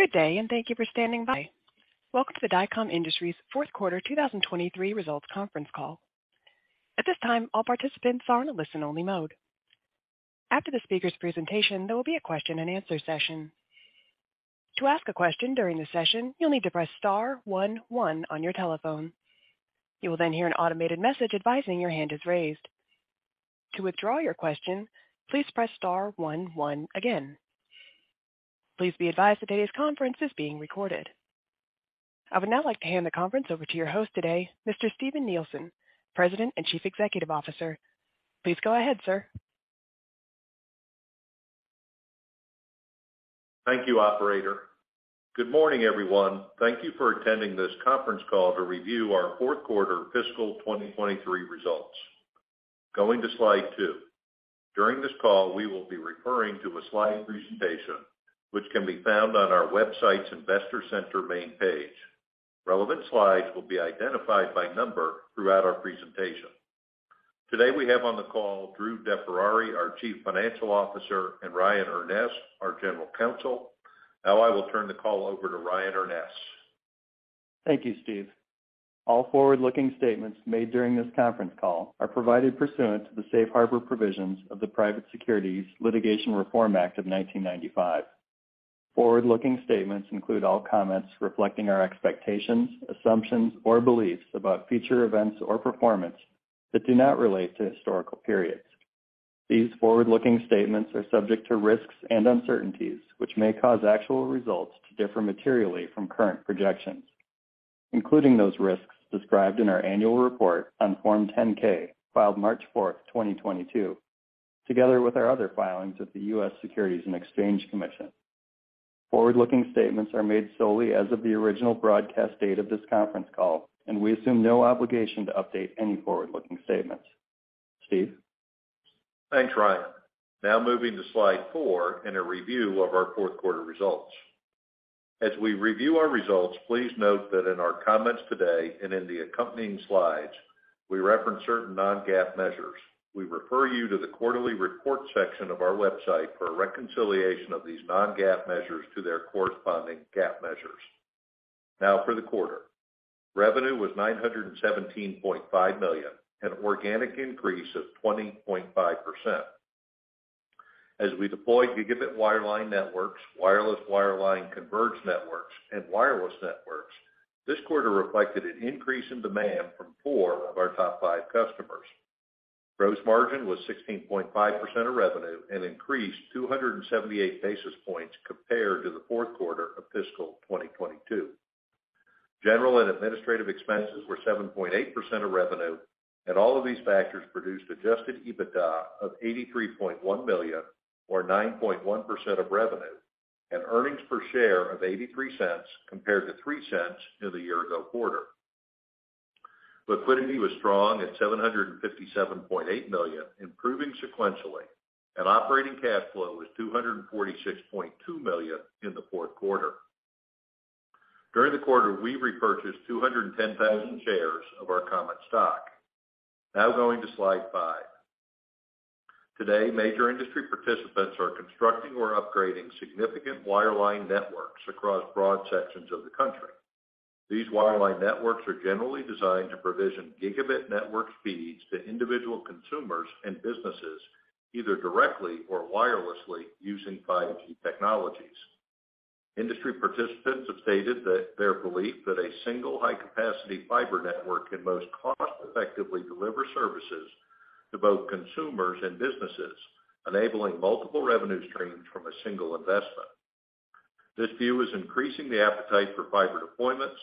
Good day, and thank you for standing by. Welcome to the Dycom Industries fourth quarter 2023 results conference call. At this time, all participants are in a listen-only mode. After the speaker's presentation, there will be a question-and-answer session. To ask a question during the session, you'll need to press star one one on your telephone. You will then hear an automated message advising your hand is raised. To withdraw your question, please press star one one again. Please be advised that today's conference is being recorded. I would now like to hand the conference over to your host today, Mr. Steven Nielsen, President and Chief Executive Officer. Please go ahead, sir. Thank you, operator. Good morning, everyone. Thank you for attending this conference call to review our fourth quarter fiscal 2023 results. Going to slide 2. During this call, we will be referring to a slide presentation, which can be found on our website's investor center main page. Relevant slides will be identified by number throughout our presentation. Today, we have on the call Drew DeFerrari, our Chief Financial Officer, and Ryan Urness, our General Counsel. I will turn the call over to Ryan Urness. Thank you, Steve. All forward-looking statements made during this conference call are provided pursuant to the Safe Harbor Provisions of the Private Securities Litigation Reform Act of 1995. Forward-looking statements include all comments reflecting our expectations, assumptions, or beliefs about future events or performance that do not relate to historical periods. These forward-looking statements are subject to risks and uncertainties, which may cause actual results to differ materially from current projections, including those risks described in our annual report on Form 10-K filed March 4th, 2022, together with our other filings with the U.S. Securities and Exchange Commission. Forward-looking statements are made solely as of the original broadcast date of this conference call, and we assume no obligation to update any forward-looking statements. Steve. Thanks, Ryan. Moving to slide 4 in a review of our fourth quarter results. As we review our results, please note that in our comments today and in the accompanying slides, we reference certain non-GAAP measures. We refer you to the quarterly report section of our website for a reconciliation of these non-GAAP measures to their corresponding GAAP measures. For the quarter. Revenue was $917.5 million, an organic increase of 20.5%. As we deploy gigabit wireline networks, wireless wireline converged networks, and wireless networks, this quarter reflected an increase in demand from 4 of our top 5 customers. Gross margin was 16.5% of revenue and increased 278 basis points compared to the fourth quarter of fiscal 2022. General and administrative expenses were 7.8% of revenue, All of these factors produced adjusted EBITDA of $83.1 million, or 9.1% of revenue and earnings per share of $0.83 compared to $0.03 in the year ago quarter. Liquidity was strong at $757.8 million, improving sequentially, and operating cash flow was $246.2 million in the fourth quarter. During the quarter, we repurchased 210,000 shares of our common stock. Going to slide 5. Today, major industry participants are constructing or upgrading significant wireline networks across broad sections of the country. These wireline networks are generally designed to provision gigabit network feeds to individual consumers and businesses, either directly or wirelessly using 5G technologies. Industry participants have stated that their belief that a single high-capacity fiber network can most cost effectively deliver services to both consumers and businesses, enabling multiple revenue streams from a single investment. This view is increasing the appetite for fiber deployments,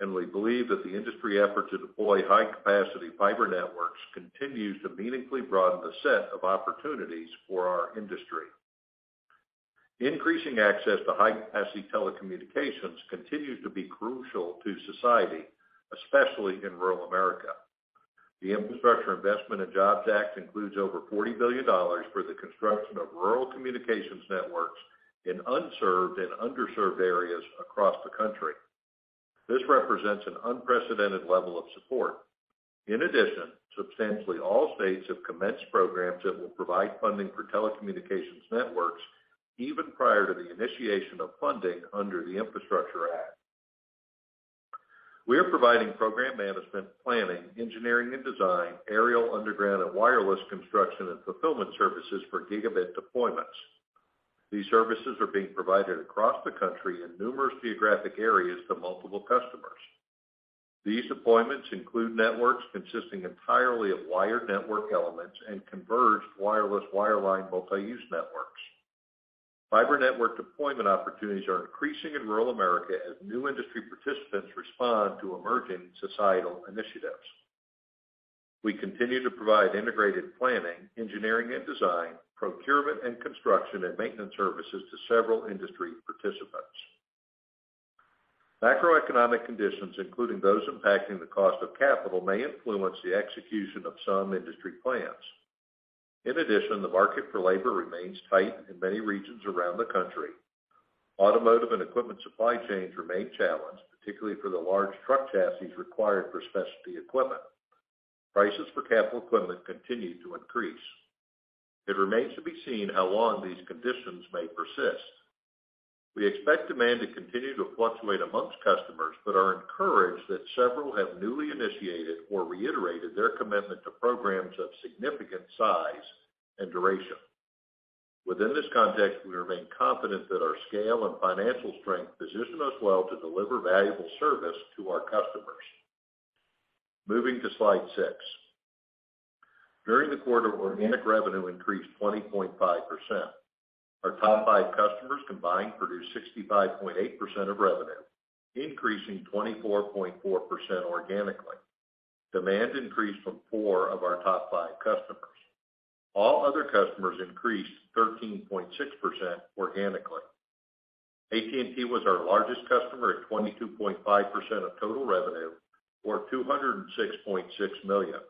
and we believe that the industry effort to deploy high-capacity fiber networks continues to meaningfully broaden the set of opportunities for our industry. Increasing access to high-capacity telecommunications continues to be crucial to society, especially in rural America. The Infrastructure Investment and Jobs Act includes over $40 billion for the construction of rural communications networks in unserved and underserved areas across the country. This represents an unprecedented level of support. In addition, substantially all states have commenced programs that will provide funding for telecommunications networks even prior to the initiation of funding under the Infrastructure Act. We are providing program management, planning, engineering and design, aerial, underground, and wireless construction and fulfillment services for gigabit deployments. These services are being provided across the country in numerous geographic areas to multiple customers. These deployments include networks consisting entirely of wired network elements and converged wireless wireline multi-use networks. Fiber network deployment opportunities are increasing in rural America as new industry participants respond to emerging societal initiatives. We continue to provide integrated planning, engineering and design, procurement and construction and maintenance services to several industry participants. Macroeconomic conditions, including those impacting the cost of capital, may influence the execution of some industry plans. In addition, the market for labor remains tight in many regions around the country. Automotive and equipment supply chains remain challenged, particularly for the large truck chassis required for specialty equipment. Prices for capital equipment continue to increase. It remains to be seen how long these conditions may persist. We expect demand to continue to fluctuate amongst customers, but are encouraged that several have newly initiated or reiterated their commitment to programs of significant size and duration. Within this context, we remain confident that our scale and financial strength position us well to deliver valuable service to our customers. Moving to slide six. During the quarter, organic revenue increased 20.5%. Our top five customers combined produced 65.8% of revenue, increasing 24.4% organically. Demand increased from four of our top five customers. All other customers increased 13.6% organically. AT&T was our largest customer at 22.5% of total revenue, or $206.6 million.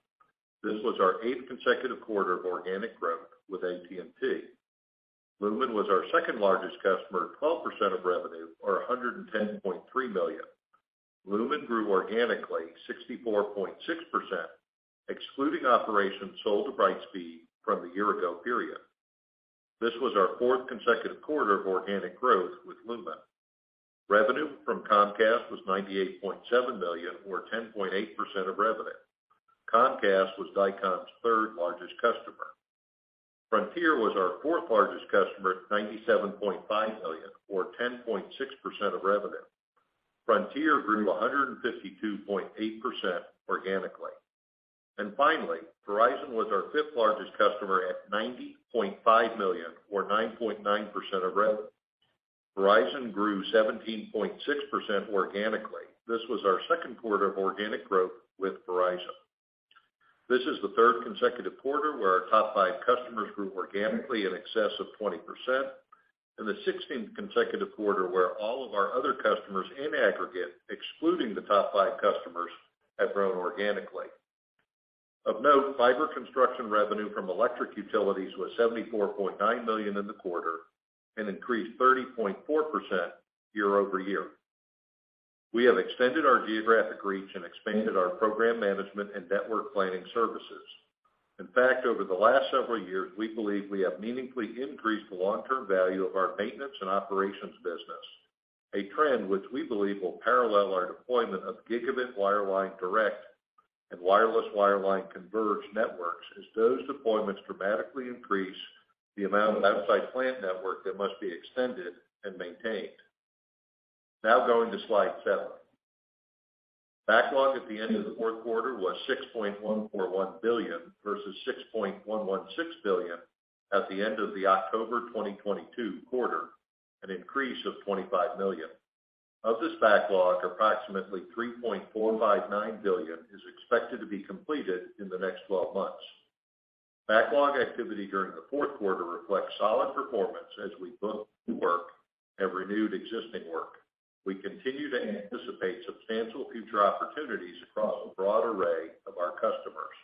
This was our eighth consecutive quarter of organic growth with AT&T. Lumen was our second-largest customer at 12% of revenue, or $110.3 million. Lumen grew organically 64.6%, excluding operations sold to Brightspeed from the year ago period. This was our fourth consecutive quarter of organic growth with Lumen. Revenue from Comcast was $98.7 million, or 10.8% of revenue. Comcast was Dycom's third-largest customer. Frontier was our fourth-largest customer at $97.5 million, or 10.6% of revenue. Frontier grew 152.8% organically. Verizon was our fifth-largest customer at $90.5 million, or 9.9% of revenue. Verizon grew 17.6% organically. This was our second quarter of organic growth with Verizon. This is the third consecutive quarter where our top five customers grew organically in excess of 20%, and the 16th consecutive quarter where all of our other customers in aggregate, excluding the top five customers, have grown organically. Of note, fiber construction revenue from electric utilities was $74.9 million in the quarter and increased 30.4% year-over-year. We have extended our geographic reach and expanded our program management and network planning services. In fact, over the last several years, we believe we have meaningfully increased the long-term value of our maintenance and operations business, a trend which we believe will parallel our deployment of gigabit wireline direct and wireless wireline converged networks as those deployments dramatically increase the amount of outside plant network that must be extended and maintained. Going to slide 7. Backlog at the end of the fourth quarter was $6.141 billion versus $6.116 billion at the end of the October 2022 quarter, an increase of $25 million. Of this backlog, approximately $3.459 billion is expected to be completed in the next 12 months. Backlog activity during the fourth quarter reflects solid performance as we booked new work and renewed existing work. We continue to anticipate substantial future opportunities across a broad array of our customers.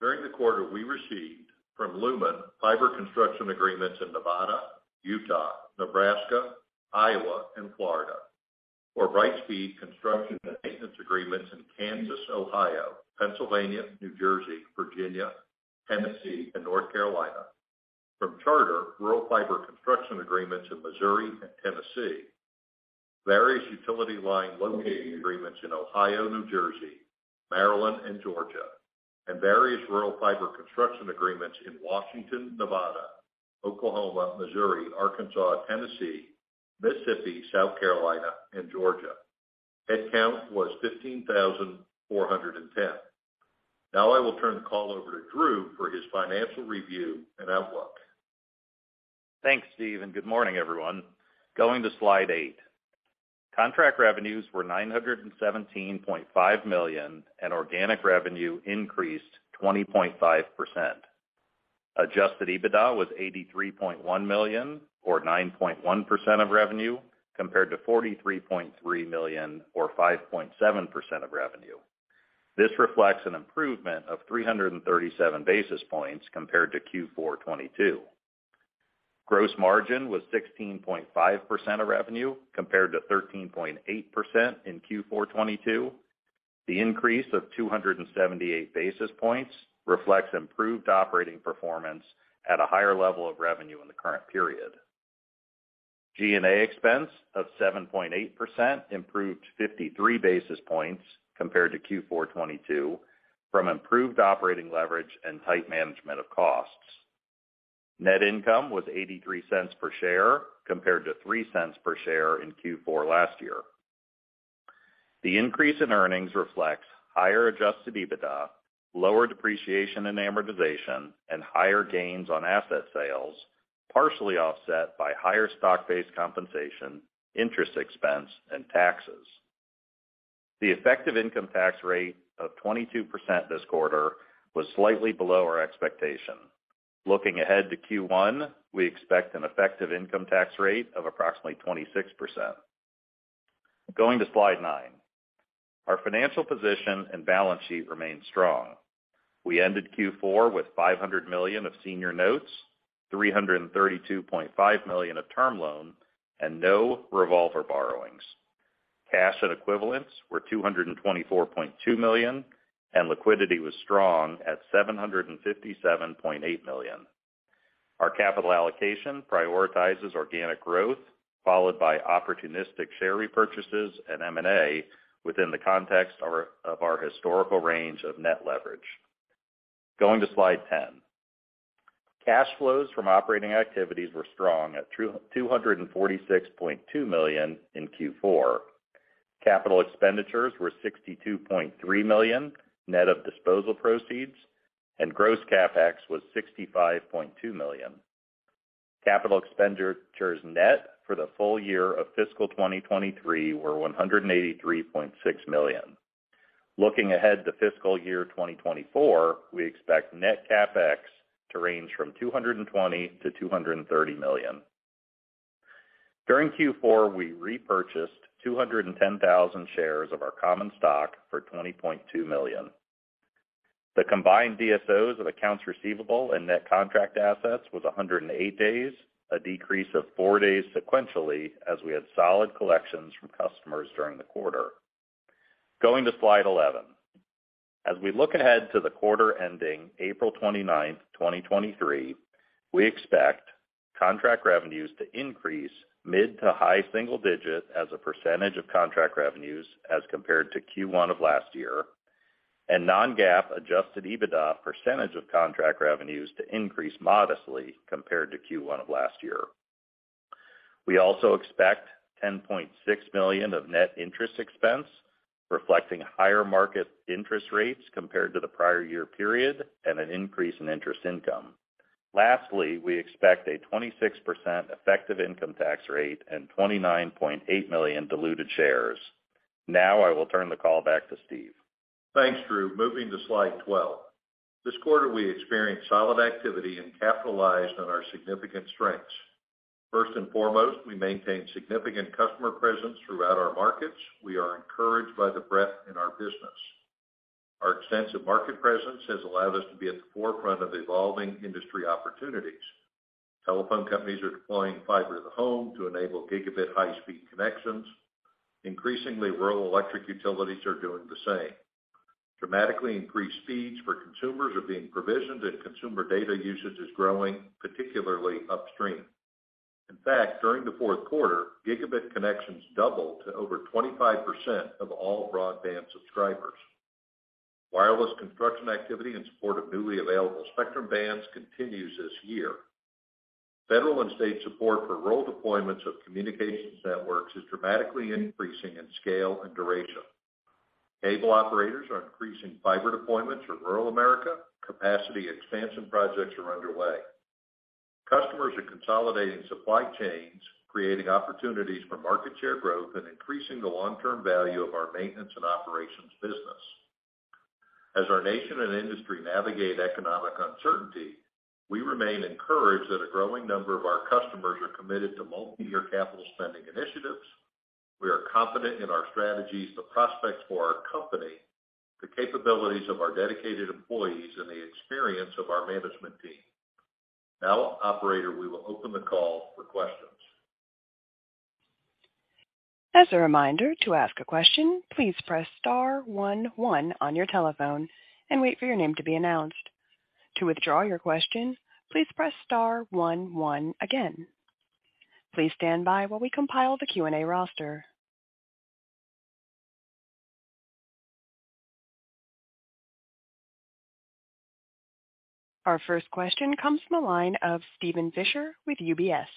During the quarter, we received from Lumen fiber construction agreements in Nevada, Utah, Nebraska, Iowa, and Florida. For Brightspeed, construction and maintenance agreements in Kansas, Ohio, Pennsylvania, New Jersey, Virginia, Tennessee, and North Carolina. From Charter, rural fiber construction agreements in Missouri and Tennessee. Various utility line locating agreements in Ohio, New Jersey, Maryland, and Georgia. Various rural fiber construction agreements in Washington, Nevada, Oklahoma, Missouri, Arkansas, Tennessee, Mississippi, South Carolina, and Georgia. Headcount was 15,410. Now I will turn the call over to Drew for his financial review and outlook. Thanks, Steve. Good morning, everyone. Going to slide 8. Contract revenues were $917.5 million, and organic revenue increased 20.5%. Adjusted EBITDA was $83.1 million, or 9.1% of revenue, compared to $43.3 million, or 5.7% of revenue. This reflects an improvement of 337 basis points compared to Q4 '22. Gross margin was 16.5% of revenue, compared to 13.8% in Q4 '22. The increase of 278 basis points reflects improved operating performance at a higher level of revenue in the current period. G&A expense of 7.8% improved 53 basis points compared to Q4 '22 from improved operating leverage and tight management of costs. Net income was $0.83 per share, compared to $0.03 per share in Q4 last year. The increase in earnings reflects higher adjusted EBITDA, lower depreciation and amortization, and higher gains on asset sales, partially offset by higher stock-based compensation, interest expense, and taxes. The effective income tax rate of 22% this quarter was slightly below our expectation. Looking ahead to Q1, we expect an effective income tax rate of approximately 26%. Going to slide 9. Our financial position and balance sheet remain strong. We ended Q4 with $500 million of senior notes, $332.5 million of term loan, and no revolver borrowings. Cash and equivalents were $224.2 million, and liquidity was strong at $757.8 million. Our capital allocation prioritizes organic growth, followed by opportunistic share repurchases and M&A within the context of our historical range of net leverage. Going to slide 10. Cash flows from operating activities were strong at $246.2 million in Q4. Capital expenditures were $62.3 million, net of disposal proceeds, and gross CapEx was $65.2 million. Capital expenditures net for the full year of fiscal 2023 were $183.6 million. Looking ahead to fiscal year 2024, we expect net CapEx to range from $220 million-$230 million. During Q4, we repurchased 210,000 shares of our common stock for $20.2 million. The combined DSOs of accounts receivable and net contract assets was 108 days, a decrease of 4 days sequentially as we had solid collections from customers during the quarter. Going to slide 11. As we look ahead to the quarter ending April 29, 2023, we expect contract revenues to increase mid to high single-digit as a percentage of contract revenues as compared to Q1 of last year, and non-GAAP adjusted EBITDA percentage of contract revenues to increase modestly compared to Q1 of last year. We also expect $10.6 million of net interest expense, reflecting higher market interest rates compared to the prior year period and an increase in interest income. Lastly, we expect a 26% effective income tax rate and 29.8 million diluted shares. I will turn the call back to Steve. Thanks, Drew. Moving to slide 12. This quarter, we experienced solid activity and capitalized on our significant strengths. First and foremost, we maintained significant customer presence throughout our markets. We are encouraged by the breadth in our business. Our extensive market presence has allowed us to be at the forefront of evolving industry opportunities. Telephone companies are deploying fiber to the home to enable gigabit high-speed connections. Increasingly, rural electric utilities are doing the same. Dramatically increased speeds for consumers are being provisioned, and consumer data usage is growing, particularly upstream. In fact, during the fourth quarter, gigabit connections doubled to over 25% of all broadband subscribers. Wireless construction activity in support of newly available spectrum bands continues this year. Federal and state support for rural deployments of communications networks is dramatically increasing in scale and duration. Cable operators are increasing fiber deployments for rural America. Capacity expansion projects are underway. Customers are consolidating supply chains, creating opportunities for market share growth and increasing the long-term value of our maintenance and operations business. As our nation and industry navigate economic uncertainty, we remain encouraged that a growing number of our customers are committed to multi-year capital spending initiatives. We are confident in our strategies, the prospects for our company, the capabilities of our dedicated employees, and the experience of our management team. Operator, we will open the call for questions. As a reminder, to ask a question, please press star one one on your telephone and wait for your name to be announced. To withdraw your question, please press star one one again. Please stand by while we compile the Q&A roster. Our first question comes from the line of Steven Fisher with UBS.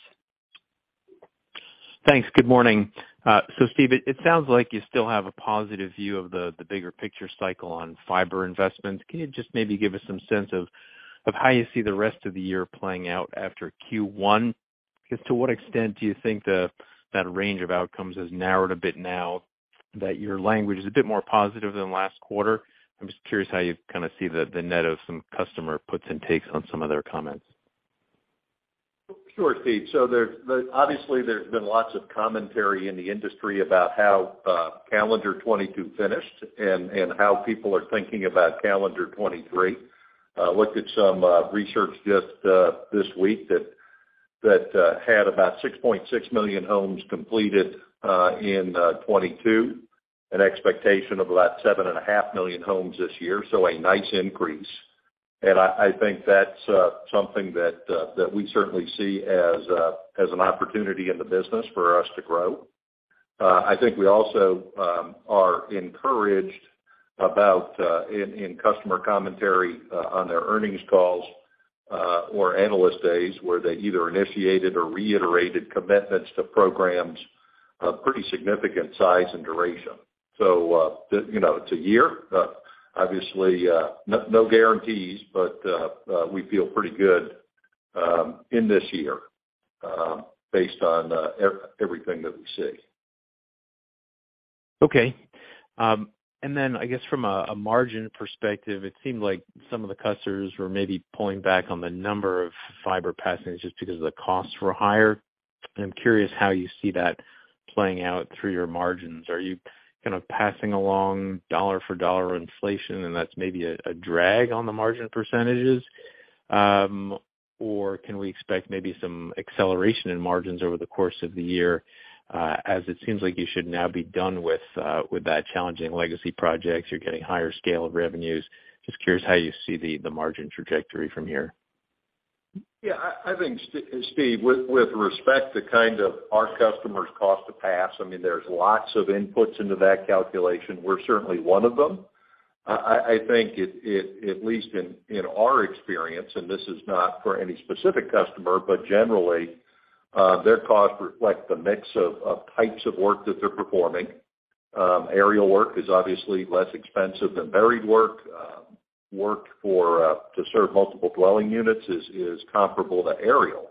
Thanks. Good morning. Steve, it sounds like you still have a positive view of the bigger picture cycle on fiber investments. Can you just maybe give us some sense of how you see the rest of the year playing out after Q1? To what extent do you think that range of outcomes has narrowed a bit now that your language is a bit more positive than last quarter? I'm curious how you kind of see the net of some customer puts and takes on some of their comments. Sure, Steve. There, the, obviously there's been lots of commentary in the industry about how calendar 2022 finished and how people are thinking about calendar 2023. Looked at some research just this week that had about 6.6 million homes completed in 2022, an expectation of about 7.5 million homes this year, so a nice increase. I think that's something that we certainly see as an opportunity in the business for us to grow. I think we also are encouraged about in customer commentary on their earnings calls or analyst days where they either initiated or reiterated commitments to programs of pretty significant size and duration. The, you know, it's a year, obviously, no guarantees, but, we feel pretty good, in this year, based on, everything that we see. Okay. I guess from a margin perspective, it seemed like some of the customers were maybe pulling back on the number of fiber passages just because the costs were higher. I'm curious how you see that playing out through your margins. Are you Kind of passing along dollar for dollar inflation, and that's maybe a drag on the margin %. Can we expect maybe some acceleration in margins over the course of the year, as it seems like you should now be done with that challenging legacy projects, you're getting higher scale of revenues. Just curious how you see the margin trajectory from here. Yeah, I think Steve, with respect to kind of our customers cost to pass, I mean, there's lots of inputs into that calculation. We're certainly one of them. I think it at least in our experience, This is not for any specific customer, generally, their costs reflect the mix of types of work that they're performing. Aerial work is obviously less expensive than buried work. Work for to serve multiple dwelling units is comparable to aerial.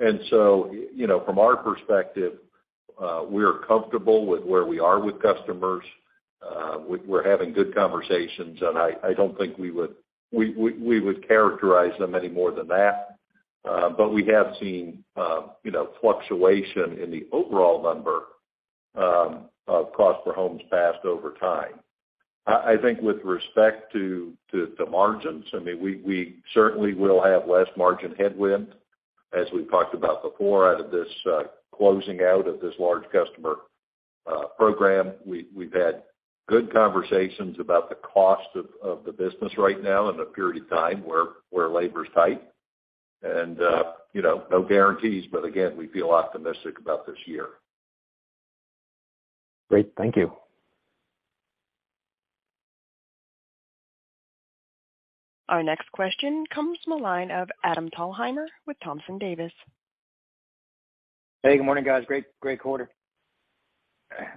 You know, from our perspective, we are comfortable with where we are with customers. We're having good conversations, I don't think we would characterize them any more than that. We have seen, you know, fluctuation in the overall number of cost per homes passed over time. I think with respect to margins, I mean, we certainly will have less margin headwind, as we've talked about before, out of this closing out of this large customer program. We've had good conversations about the cost of the business right now in a period of time where labor's tight. You know, no guarantees, but again, we feel optimistic about this year. Great. Thank you. Our next question comes from the line of Adam Thalhimer with Thompson Davis. Hey, good morning, guys. Great, great quarter.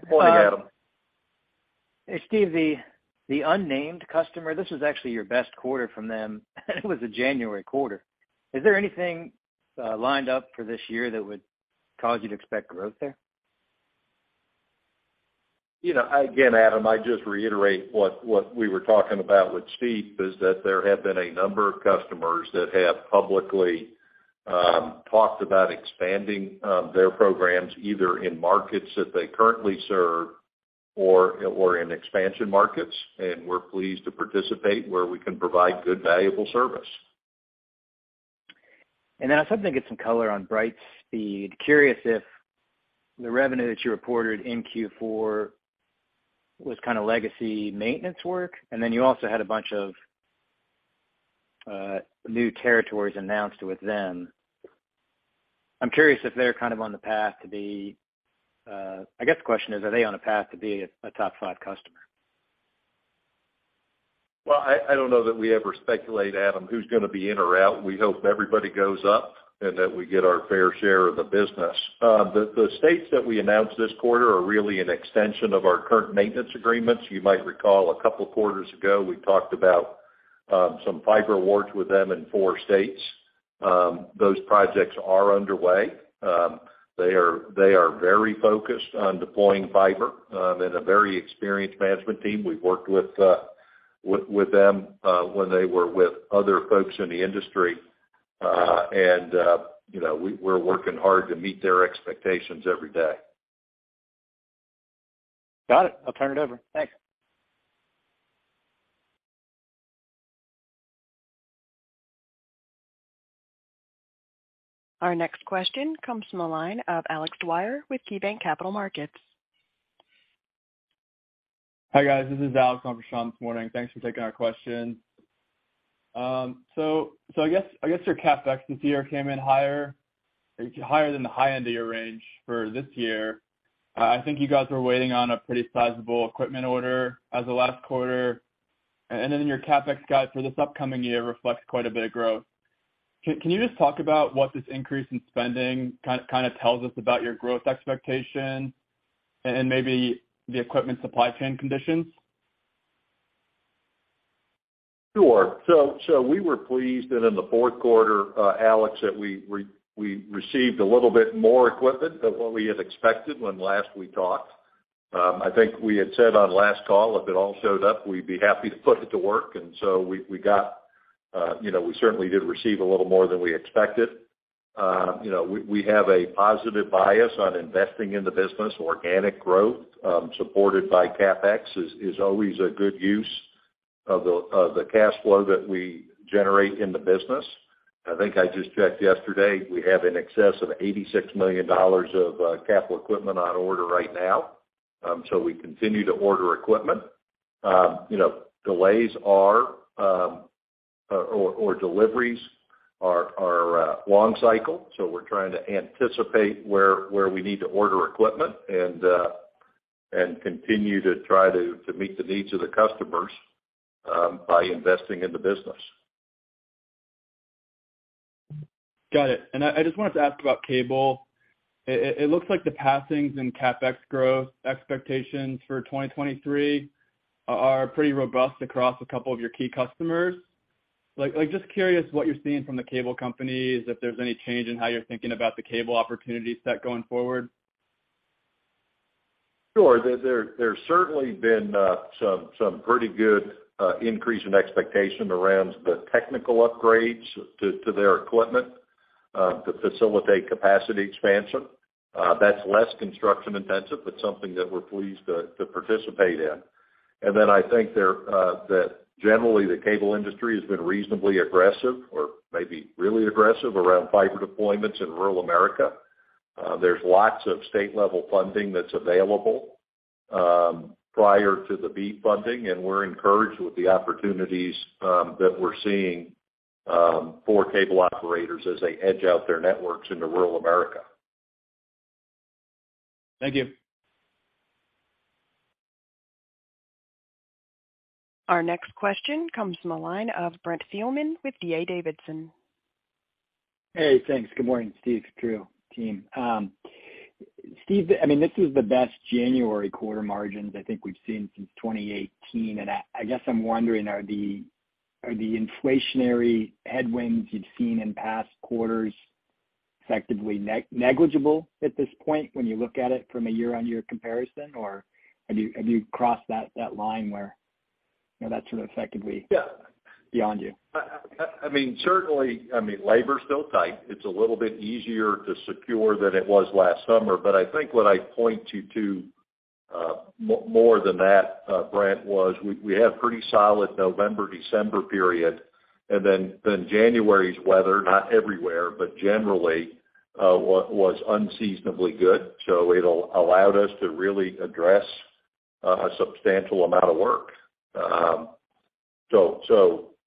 Morning, Adam. Hey, Steve, the unnamed customer, this is actually your best quarter from them, and it was a January quarter. Is there anything lined up for this year that would cause you to expect growth there? You know, again, Adam, I just reiterate what we were talking about with Steve, is that there have been a number of customers that have publicly talked about expanding their programs, either in markets that they currently serve or in expansion markets, and we're pleased to participate where we can provide good, valuable service. I was hoping to get some color on Brightspeed. Curious if the revenue that you reported in Q4 was kind of legacy maintenance work, and then you also had a bunch of new territories announced with them. I'm curious if they're kind of on the path to be. I guess the question is, are they on a path to be a top five customer? Well, I don't know that we ever speculate, Adam, who's gonna be in or out. We hope everybody goes up and that we get our fair share of the business. The states that we announced this quarter are really an extension of our current maintenance agreements. You might recall a couple quarters ago, we talked about some fiber awards with them in four states. Those projects are underway. They are very focused on deploying fiber, and a very experienced management team. We've worked with them when they were with other folks in the industry. You know, we're working hard to meet their expectations every day. Got it. I'll turn it over. Thanks. Our next question comes from the line of Alex Dwyer with KeyBanc Capital Markets. Hi, guys, this is Alex on for Sean this morning. Thanks for taking our question. I guess your CapEx this year came in higher than the high end of your range for this year. I think you guys were waiting on a pretty sizable equipment order as of last quarter. Then in your CapEx guide for this upcoming year reflects quite a bit of growth. Can you just talk about what this increase in spending kind of tells us about your growth expectation and maybe the equipment supply chain conditions? Sure. We were pleased that in the fourth quarter, Alex, that we received a little bit more equipment than what we had expected when last we talked. I think we had said on last call, if it all showed up, we'd be happy to put it to work. We got, you know, we certainly did receive a little more than we expected. You know, we have a positive bias on investing in the business. Organic growth, supported by CapEx is always a good use of the cash flow that we generate in the business. I think I just checked yesterday, we have in excess of $86 million of capital equipment on order right now. We continue to order equipment. You know, delays are, or deliveries are long cycle, so we're trying to anticipate where we need to order equipment and continue to try to meet the needs of the customers by investing in the business. Got it. I just wanted to ask about cable. It looks like the passings in CapEx growth expectations for 2023 are pretty robust across a couple of your key customers. just curious what you're seeing from the cable companies, if there's any change in how you're thinking about the cable opportunity set going forward? Sure. There's certainly been some pretty good increase in expectation around the technical upgrades to their equipment, to facilitate capacity expansion. That's less construction intensive, but something that we're pleased to participate in. I think there that generally the cable industry has been reasonably aggressive or maybe really aggressive around fiber deployments in rural America. There's lots of state level funding that's available prior to the BEAD funding, and we're encouraged with the opportunities that we're seeing for cable operators as they edge out their networks into rural America. Thank you. Our next question comes from the line of Brent Thielman with D.A. Davidson. Hey, thanks. Good morning, Steven, Drew, team. Steven, I mean, this is the best January quarter margins I think we've seen since 2018. I guess I'm wondering, are the inflationary headwinds you've seen in past quarters effectively negligible at this point when you look at it from a year-on-year comparison? Have you crossed that line where, you know, that's sort of effectively. Yeah. Beyond you? I mean, certainly, I mean, labor's still tight. It's a little bit easier to secure than it was last summer. I think what I point you to, more than that, Brent, was we had pretty solid November, December period. Then January's weather, not everywhere, but generally, was unseasonably good. It'll allow us to really address a substantial amount of work.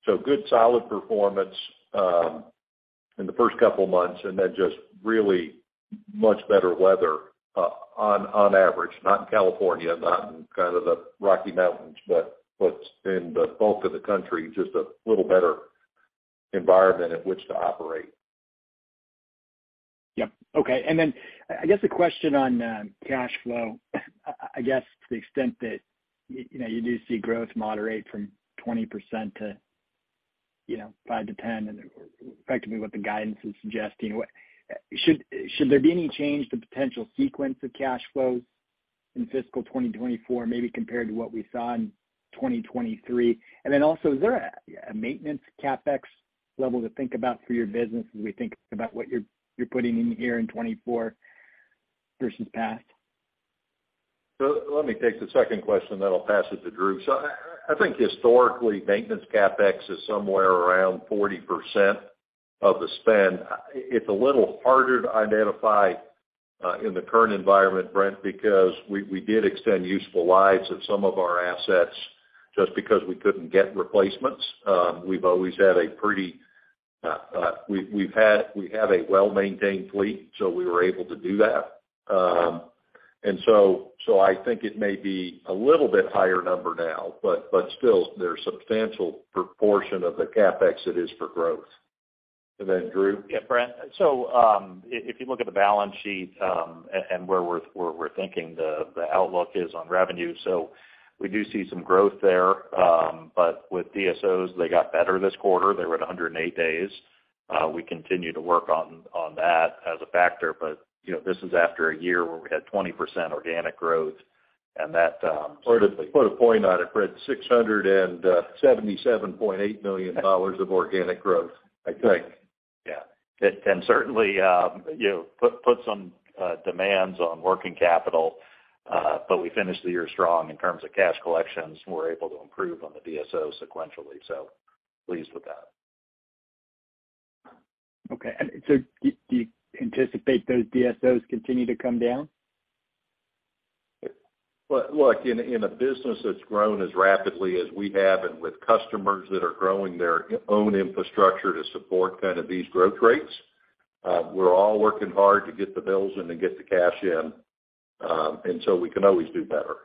So good solid performance in the first couple of months, and then just really much better weather on average. Not in California, not in kind of the Rocky Mountains, but what's in the bulk of the country, just a little better environment in which to operate. Yep. Okay. I guess a question on cash flow. I guess to the extent that, you know, you do see growth moderate from 20% to 5%-10%, or effectively what the guidance is suggesting. Should there be any change to potential sequence of cash flows in fiscal 2024, maybe compared to what we saw in 2023? Also, is there a maintenance CapEx level to think about for your business as we think about what you're putting in here in 2024 versus past? Let me take the second question, then I'll pass it to Drew. I think historically, maintenance CapEx is somewhere around 40% of the spend. It's a little harder to identify in the current environment, Brent, because we did extend useful lives of some of our assets just because we couldn't get replacements. We've always had a pretty, we have a well-maintained fleet, so we were able to do that. I think it may be a little bit higher number now, still there's substantial proportion of the CapEx that is for growth. Drew? Yeah, Brent. If you look at the balance sheet, and where we're thinking the outlook is on revenue, We do see some growth there. With DSOs, they got better this quarter. They were at 108 days. We continue to work on that as a factor. You know, this is after a year where we had 20% organic growth and that. To put a point on it, Brent, $677.8 million of organic growth. Right. Yeah. It can certainly, you know, put some demands on working capital. We finished the year strong in terms of cash collections. We're able to improve on the DSO sequentially. Pleased with that. Okay. Do you anticipate those DSOs continue to come down? Well, look, in a business that's grown as rapidly as we have and with customers that are growing their own infrastructure to support kind of these growth rates, we're all working hard to get the bills in and get the cash in. We can always do better.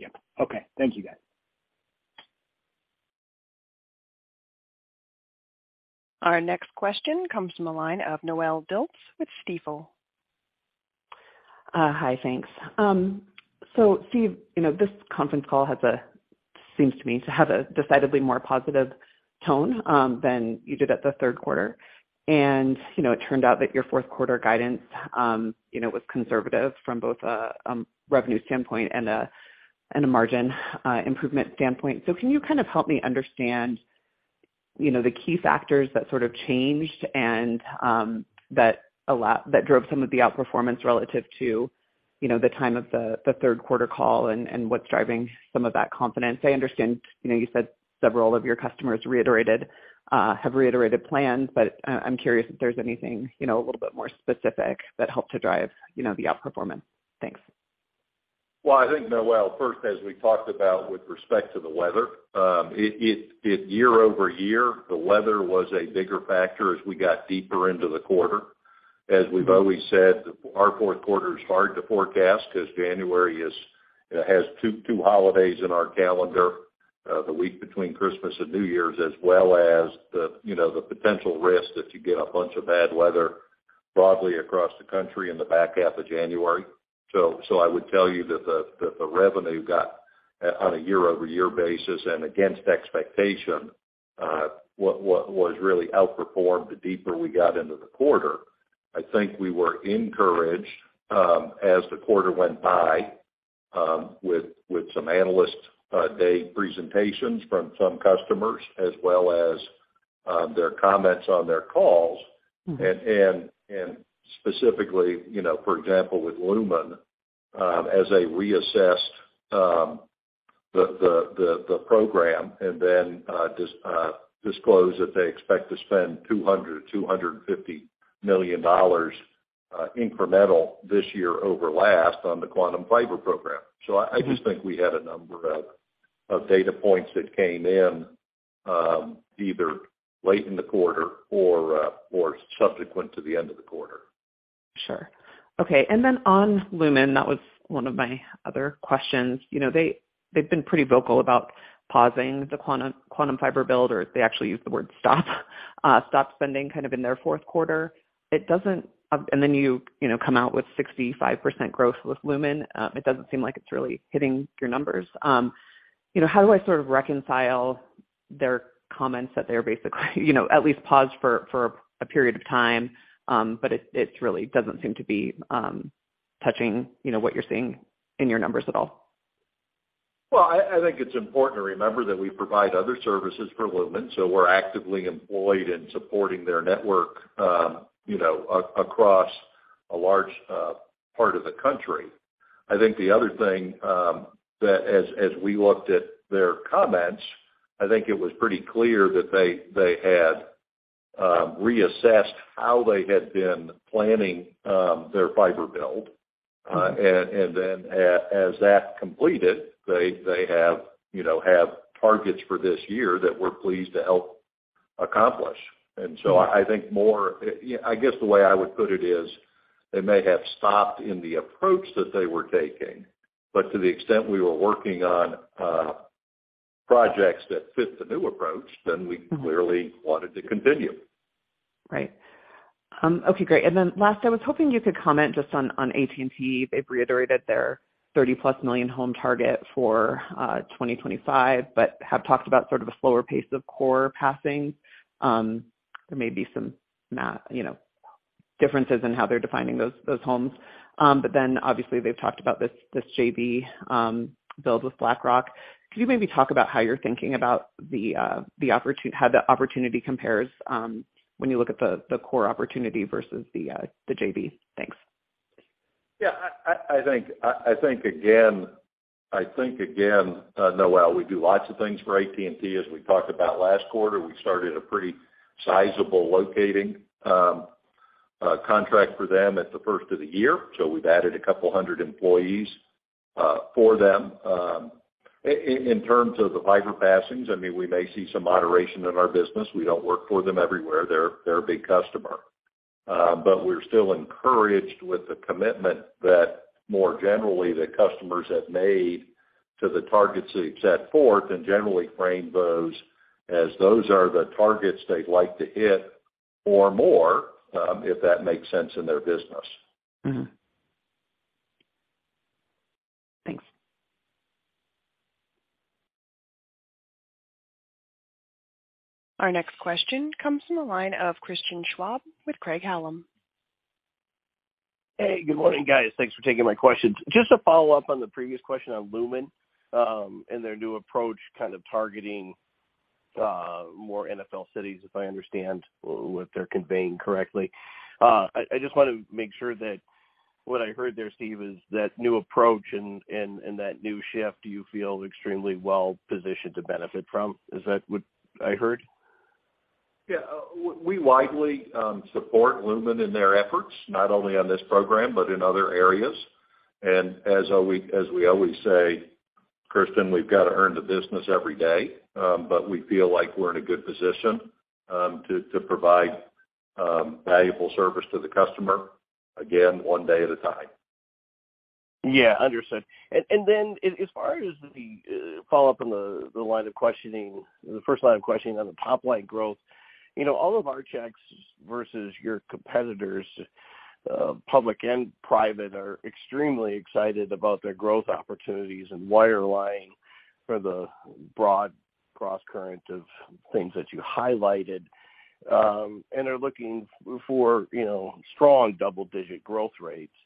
Yep. Okay. Thank you, guys. Our next question comes from a line of Noelle Dilts with Stifel. Hi. Thanks. Steve, you know, this conference call seems to me to have a decidedly more positive tone than you did at the third quarter. You know, it turned out that your fourth quarter guidance, you know, was conservative from both a revenue standpoint and a margin improvement standpoint. Can you kind of help me understand, you know, the key factors that sort of changed and that drove some of the outperformance relative to, you know, the time of the third quarter call and what's driving some of that confidence? I understand, you know, you said several of your customers have reiterated plans, but I'm curious if there's anything, you know, a little bit more specific that helped to drive, you know, the outperformance. Thanks. Well, I think, Noel, first, as we talked about with respect to the weather, it year over year, the weather was a bigger factor as we got deeper into the quarter. As we've always said, our fourth quarter is hard to forecast because January is, you know, has two holidays in our calendar, the week between Christmas and New Year's, as well as the, you know, the potential risk that you get a bunch of bad weather broadly across the country in the back half of January. I would tell you that the revenue got on a year-over-year basis and against expectation, was really outperformed the deeper we got into the quarter. I think we were encouraged, as the quarter went by. With some analyst day presentations from some customers as well as their comments on their calls. Specifically, you know, for example, with Lumen, as they reassessed the program and then disclose that they expect to spend $250 million incremental this year over last on the Quantum Fiber program. I just think we had a number of data points that came in either late in the quarter or subsequent to the end of the quarter. Sure. Okay. On Lumen, that was one of my other questions. You know, they've been pretty vocal about pausing the Quantum Fiber build, or they actually use the word stop spending kind of in their fourth quarter. You, you know, come out with 65% growth with Lumen. It doesn't seem like it's really hitting your numbers. You know, how do I sort of reconcile their comments that they're basically, you know, at least paused for a period of time, but it really doesn't seem to be touching, you know, what you're seeing in your numbers at all? Well, I think it's important to remember that we provide other services for Lumen, so we're actively employed in supporting their network, you know, across a large part of the country. I think the other thing that as we looked at their comments, I think it was pretty clear that they had reassessed how they had been planning their fiber build. And then as that completed, they have, you know, have targets for this year that we're pleased to help accomplish. I guess the way I would put it is they may have stopped in the approach that they were taking. To the extent we were working on projects that fit the new approach, then we clearly wanted to continue. Right. Okay, great. Then last, I was hoping you could comment just on AT&T. They've reiterated their 30+ million home target for 2025, but have talked about sort of a slower pace of core passing. There may be some you know, differences in how they're defining those homes. Obviously they've talked about this JV build with BlackRock. Could you maybe talk about how you're thinking about how the opportunity compares, when you look at the core opportunity versus the JV? Thanks. Yeah. I think again, I think again, Noelle, we do lots of things for AT&T. As we talked about last quarter, we started a pretty sizable locating contract for them at the first of the year. We've added a couple hundred employees for them. In terms of the fiber passings, I mean, we may see some moderation in our business. We don't work for them everywhere. They're a big customer. We're still encouraged with the commitment that more generally the customers have made to the targets that you've set forth and generally frame those as those are the targets they'd like to hit or more, if that makes sense in their business. Mm-hmm. Thanks. Our next question comes from the line of Christian Schwab with Craig-Hallum. Hey, good morning, guys. Thanks for taking my questions. Just to follow up on the previous question on Lumen, and their new approach kind of targeting, more NFL cities, if I understand what they're conveying correctly. I just want to make sure that what I heard there, Steve, is that new approach and that new shift, you feel extremely well-positioned to benefit from. Is that what I heard? Yeah. We widely support Lumen in their efforts, not only on this program, but in other areas. As we always say, Christian, we've got to earn the business every day. We feel like we're in a good position to provide valuable service to the customer, again, one day at a time. Yeah, understood. Then as far as the follow-up on the line of questioning, the first line of questioning on the top line growth. You know, all of our checks versus your competitors, public and private, are extremely excited about their growth opportunities and wireline for the broad cross-current of things that you highlighted, and are looking for, you know, strong double-digit growth rates.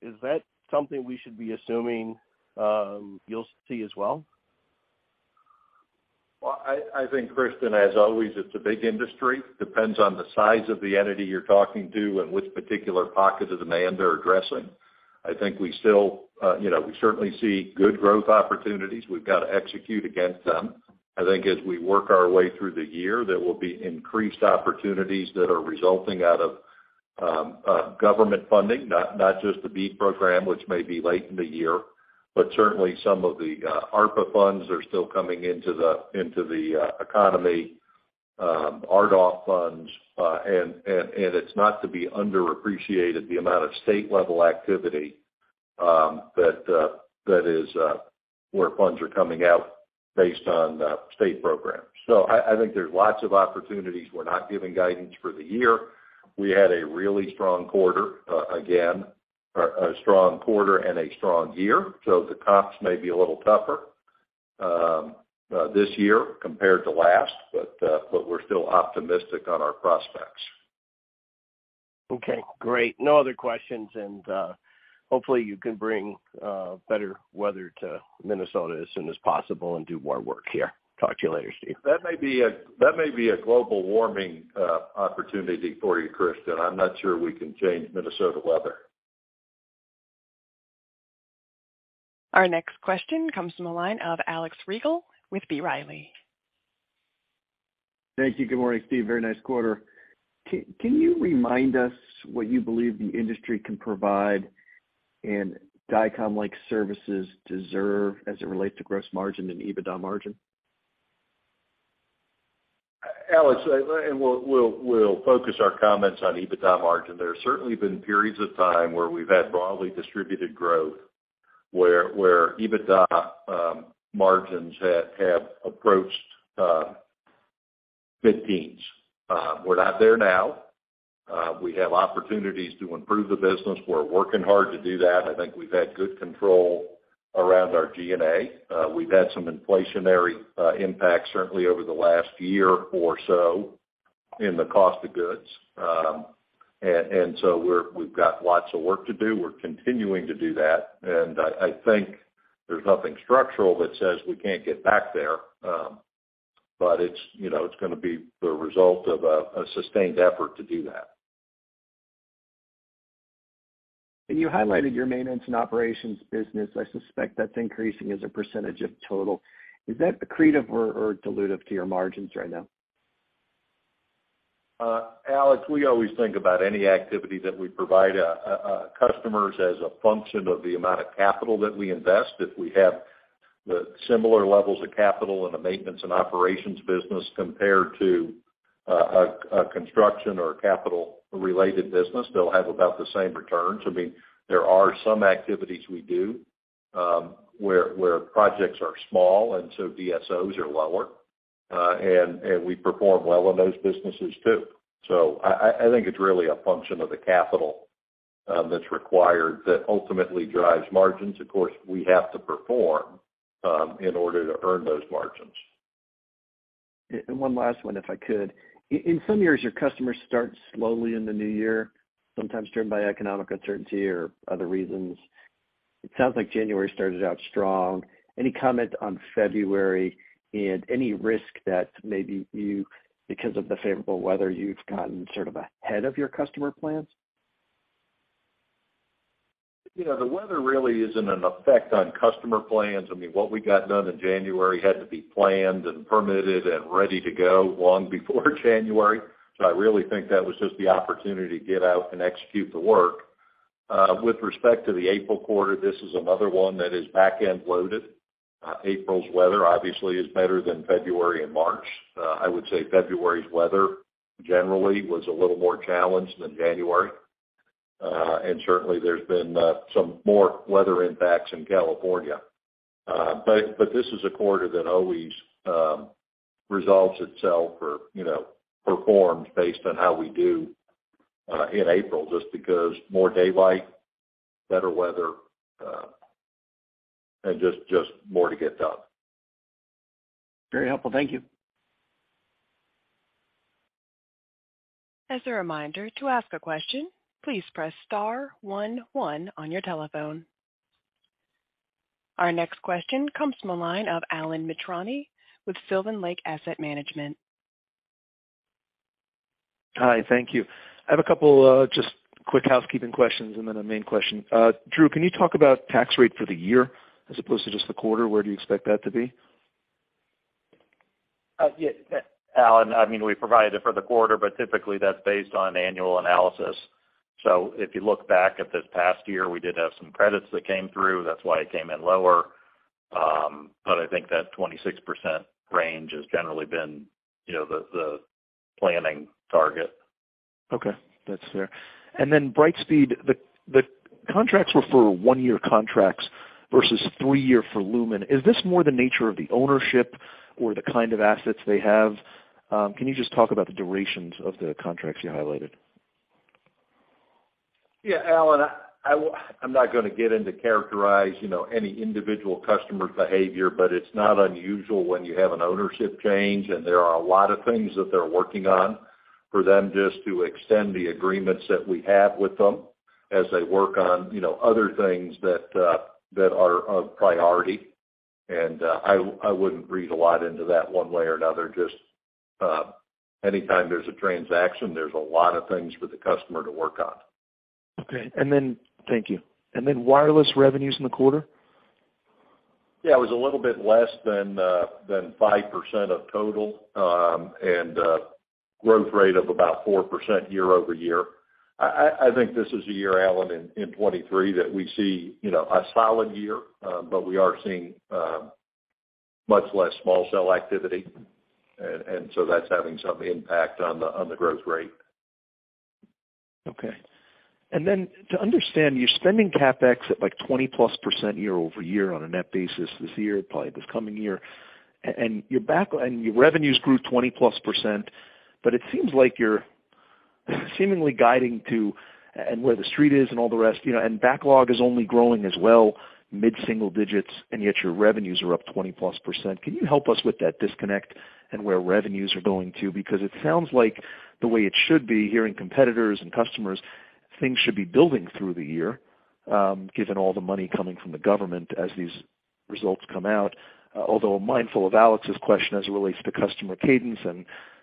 Is that something we should be assuming, you'll see as well? Well, I think, Christian, as always, it's a big industry. Depends on the size of the entity you're talking to and which particular pocket of demand they're addressing. I think we still, you know, we certainly see good growth opportunities. We've got to execute against them. I think as we work our way through the year, there will be increased opportunities that are resulting out of government funding, not just the BEAD program, which may be late in the year, but certainly some of the ARPA funds are still coming into the economy, RDOF funds, and it's not to be underappreciated the amount of state-level activity that is where funds are coming out based on state programs. I think there's lots of opportunities. We're not giving guidance for the year. We had a really strong quarter, again, a strong quarter and a strong year, so the comps may be a little tougher, this year compared to last, but we're still optimistic on our prospects. Okay, great. No other questions. Hopefully you can bring better weather to Minnesota as soon as possible and do more work here. Talk to you later, Steve. That may be a global warming opportunity for you, Chris, but I'm not sure we can change Minnesota weather. Our next question comes from the line of Alex Rygiel with B. Riley. Thank you. Good morning, Steve. Very nice quarter. Can you remind us what you believe the industry can provide and Dycom-like services deserve as it relates to gross margin and EBITDA margin? Alex, we'll focus our comments on EBITDA margin. There have certainly been periods of time where we've had broadly distributed growth, where EBITDA margins have approached 15%. We're not there now. We have opportunities to improve the business. We're working hard to do that. I think we've had good control around our G&A. We've had some inflationary impacts certainly over the last year or so in the cost of goods. We've got lots of work to do. We're continuing to do that. I think there's nothing structural that says we can't get back there. It's, you know, it's gonna be the result of a sustained effort to do that. You highlighted your maintenance and operations business. I suspect that's increasing as a percentage of total. Is that accretive or dilutive to your margins right now? Alex, we always think about any activity that we provide customers as a function of the amount of capital that we invest. If we have the similar levels of capital in a maintenance and operations business compared to a construction or a capital-related business, they'll have about the same returns. I mean, there are some activities we do where projects are small, and so DSOs are lower, and we perform well in those businesses too. I think it's really a function of the capital that's required that ultimately drives margins. Of course, we have to perform in order to earn those margins. One last one, if I could. In some years, your customers start slowly in the new year, sometimes driven by economic uncertainty or other reasons. It sounds like January started out strong. Any comment on February and any risk that maybe you, because of the favorable weather, you've gotten sort of ahead of your customer plans? You know, the weather really isn't an effect on customer plans. I mean, what we got done in January had to be planned and permitted and ready to go long before January. I really think that was just the opportunity to get out and execute the work. With respect to the April quarter, this is another one that is back-end loaded. April's weather obviously is better than February and March. I would say February's weather generally was a little more challenged than January. Certainly there's been some more weather impacts in California. This is a quarter that always resolves itself or, you know, performs based on how we do in April, just because more daylight, better weather, and just more to get done. Very helpful. Thank you. As a reminder, to ask a question, please press star one one on your telephone. Our next question comes from the line of Alan Mitrani with Sylvan Lake Asset Management. Hi, thank you. I have a couple, just quick housekeeping questions and then a main question. Drew, can you talk about tax rate for the year as opposed to just the quarter? Where do you expect that to be? Yeah, Alan, I mean, we provided it for the quarter, but typically that's based on annual analysis. If you look back at this past year, we did have some credits that came through. That's why it came in lower. I think that 26% range has generally been, you know, the planning target. Okay, that's fair. Brightspeed, the contracts were for 1-year contracts versus 3-year for Lumen. Is this more the nature of the ownership or the kind of assets they have? Can you just talk about the durations of the contracts you highlighted? Yeah, Alan, I'm not gonna get in to characterize, you know, any individual customer's behavior, but it's not unusual when you have an ownership change, and there are a lot of things that they're working on for them just to extend the agreements that we have with them as they work on, you know, other things that are a priority. I wouldn't read a lot into that one way or another. Just, anytime there's a transaction, there's a lot of things for the customer to work on. Okay. thank you. wireless revenues in the quarter? Yeah, it was a little bit less than 5% of total, and growth rate of about 4% year-over-year. I think this is a year, Alan, in 2023 that we see, you know, a solid year, but we are seeing much less small cell activity. So that's having some impact on the growth rate. To understand, you're spending CapEx at, like, 20%+ year-over-year on a net basis this year, probably this coming year, and you're back and your revenues grew 20%+, but it seems like you're seemingly guiding to, and where the street is and all the rest, you know, and backlog is only growing as well, mid-single digits, and yet your revenues are up 20%+. Can you help us with that disconnect and where revenues are going to? Because it sounds like the way it should be, hearing competitors and customers, things should be building through the year, given all the money coming from the government as these results come out, although mindful of Alex's question as it relates to customer cadence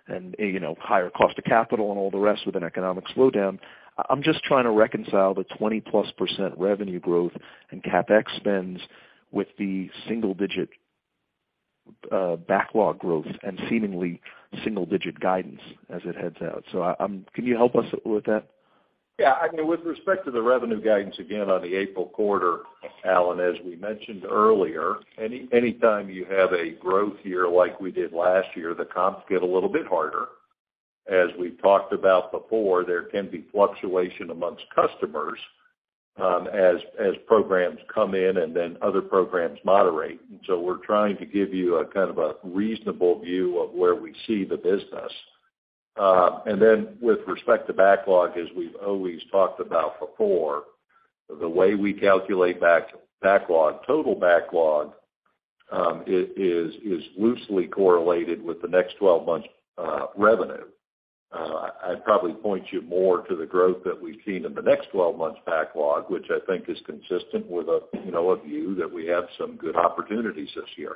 and, you know, higher cost of capital and all the rest with an economic slowdown. I'm just trying to reconcile the 20-plus % revenue growth and CapEx spends with the single-digit backlog growth and seemingly single-digit guidance as it heads out. Can you help us with that? Yeah. I mean, with respect to the revenue guidance, again, on the April quarter, Alan, as we mentioned earlier, anytime you have a growth year like we did last year, the comps get a little bit harder. As we've talked about before, there can be fluctuation amongst customers, as programs come in and then other programs moderate. We're trying to give you a kind of a reasonable view of where we see the business. With respect to backlog, as we've always talked about before, the way we calculate backlog, total backlog, is loosely correlated with the next 12 months revenue. I'd probably point you more to the growth that we've seen in the next 12 months backlog, which I think is consistent with a, you know, a view that we have some good opportunities this year.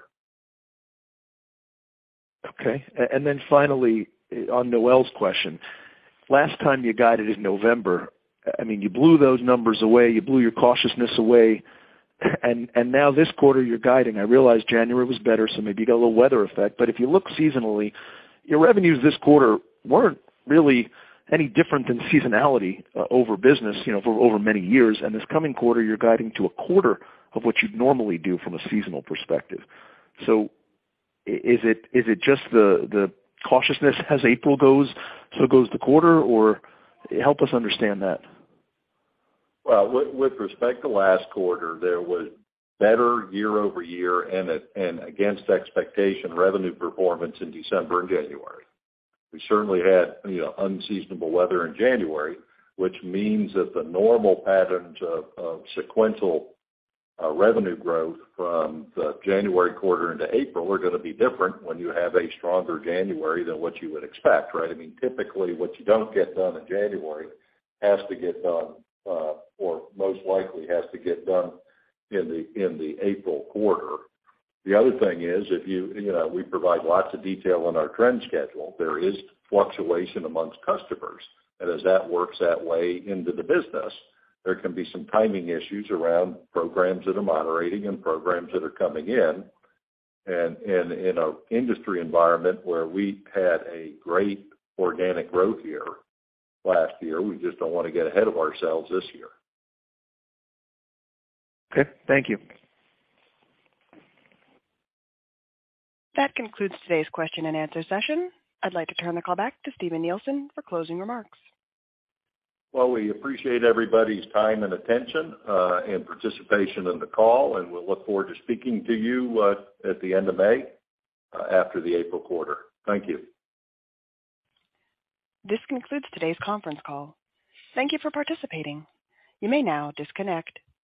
Okay. Then finally, on Noelle's question. Last time you guided in November, I mean, you blew those numbers away, you blew your cautiousness away. Now this quarter you're guiding. I realize January was better, so maybe you got a little weather effect. If you look seasonally, your revenues this quarter weren't really any different than seasonality, you know, for over many years. This coming quarter, you're guiding to a quarter of what you'd normally do from a seasonal perspective. Is it just the cautiousness as April goes, so goes the quarter or? Help us understand that. Well, with respect to last quarter, there was better year-over-year and against expectation revenue performance in December and January. We certainly had, you know, unseasonable weather in January, which means that the normal patterns of sequential revenue growth from the January quarter into April are gonna be different when you have a stronger January than what you would expect, right? I mean, typically, what you don't get done in January has to get done or most likely has to get done in the April quarter. The other thing is, if you know, we provide lots of detail on our trend schedule. There is fluctuation amongst customers. As that works that way into the business, there can be some timing issues around programs that are moderating and programs that are coming in. In an industry environment where we had a great organic growth year last year, we just don't wanna get ahead of ourselves this year. Okay, thank you. That concludes today's question and answer session. I'd like to turn the call back to Steven Nielsen for closing remarks. Well, we appreciate everybody's time and attention, and participation in the call, and we'll look forward to speaking to you at the end of May, after the April quarter. Thank you. This concludes today's conference call. Thank you for participating. You may now disconnect.